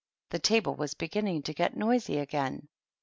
The table was beginning to get noisy again.